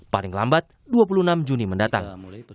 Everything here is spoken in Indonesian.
paling lambat dua puluh enam juni mendatang